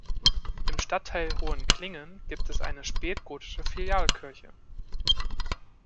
Im Stadtteil Hohenklingen gibt es eine spätgotische Filialkirche.